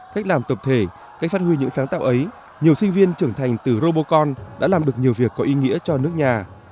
cách làm tập thể cách phát huy những sáng tạo ấy nhiều sinh viên trưởng thành từ robot con đã làm được nhiều việc có ý nghĩa cho nước nhà